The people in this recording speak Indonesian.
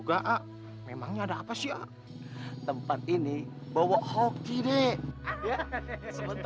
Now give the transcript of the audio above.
ari saya belum minum susu